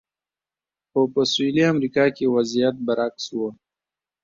خو په سویلي امریکا کې وضعیت برعکس و.